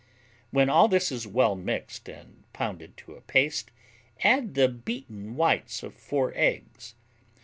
When all this is well mixed and pounded to a paste, add the beaten whites of 4 eggs.